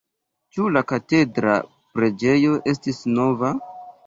Ĉu la katedra preĝejo estis nova?